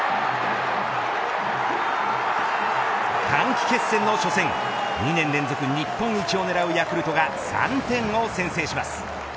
短期決戦の初戦２年連続日本一を狙うヤクルトが３点を先制します。